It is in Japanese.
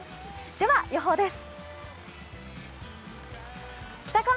では予報です。